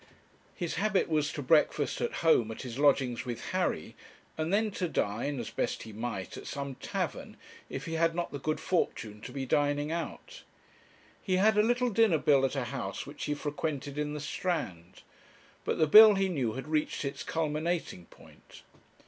His habit was to breakfast at home at his lodgings with Harry, and then to dine, as best he might, at some tavern, if he had not the good fortune to be dining out. He had a little dinner bill at a house which he frequented in the Strand; but the bill he knew had reached its culminating point.